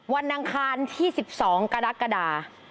วันดังคารที่๑๒กรกฎา